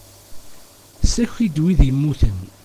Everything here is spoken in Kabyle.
Ssaki-d wid yemmuten.